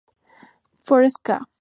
Flores ca.